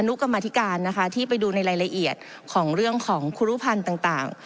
กรรมธิการนะคะที่ไปดูในรายละเอียดของเรื่องของครูรุภัณฑ์ต่าง